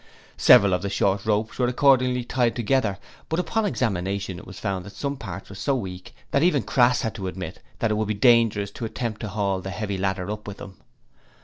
Several of the short ropes were accordingly tied together but upon examination it was found that some parts were so weak that even Crass had to admit it would be dangerous to attempt to haul the heavy ladder up with them.